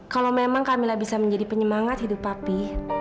kalau memang kamila bisa menjadi penyemangat hidup papi